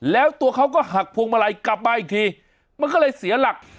แล้วตัวเขาก็หักพวงมาลัยกลับมาอีกทีมันก็เลยเสียหลัก